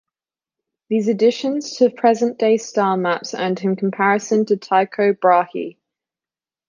These additions to present-day star maps earned him comparison to Tycho Brahe.